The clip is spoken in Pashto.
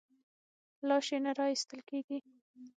لاش یې نه راایستل کېږي.